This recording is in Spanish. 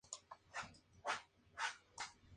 Bennett y Mrs.